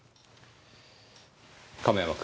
亀山君。